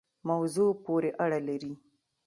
موضوع پوری اړه لری